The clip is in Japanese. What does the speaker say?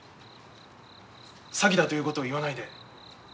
詐欺だということを言わないで。